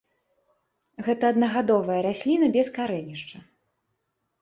Гэта аднагадовая расліна без карэнішча.